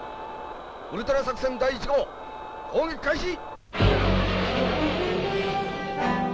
ウルトラ作戦第一号砲撃開始！